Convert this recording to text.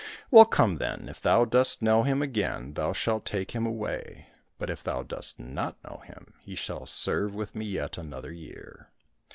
—" Well, come then ! If thou dost know him again, thou shalt take him away ; but if thou dost not know him, he shall serve with me yet another year."